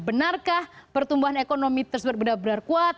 benarkah pertumbuhan ekonomi tersebut benar benar kuat